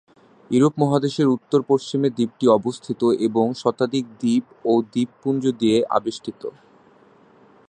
Europe মহাদেশের উত্তর পশ্চিমে দ্বীপটি অবস্থিত এবং শতাধিক দ্বীপ ও দ্বীপপুঞ্জ দিয়ে আবেষ্টিত।